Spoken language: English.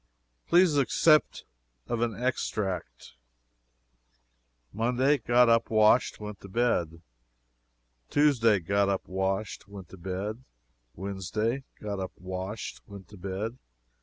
Please accept of an extract: "Monday Got up, washed, went to bed. "Tuesday Got up, washed, went to bed. "Wednesday Got up, washed, went to bed.